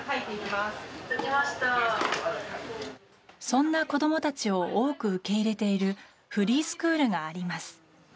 そんな子供たちを多く受け入れているフリースクールがあります。